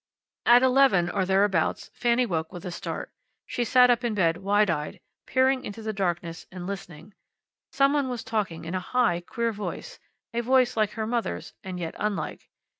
At eleven, or thereabouts, Fanny woke up with a start. She sat up in bed, wide eyed, peering into the darkness and listening. Some one was talking in a high, queer voice, a voice like her mother's, and yet unlike.